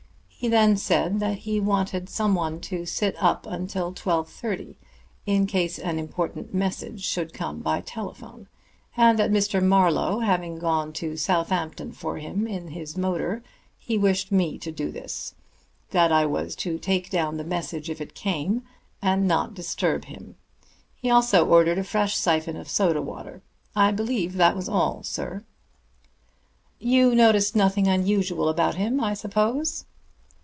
He then said that he wanted someone to sit up until twelve thirty, in case an important message should come by telephone, and that Mr. Marlowe having gone to Southampton for him in the motor, he wished me to do this, and that I was to take down the message if it came, and not disturb him. He also ordered a fresh syphon of soda water. I believe that was all, sir." "You noticed nothing unusual about him, I suppose."